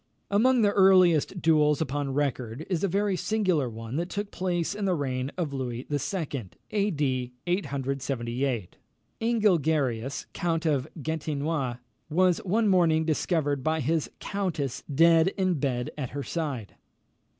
Among the earliest duels upon record, is a very singular one that took place in the reign of Louis II. (A. D. 878). Ingelgerius count of Gastinois was one morning discovered by his countess dead in bed at her side.